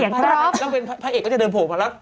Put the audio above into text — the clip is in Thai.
นางเอกโต้เวลาแล้วนางเอกก็จะเดินโผล่วันแล้ว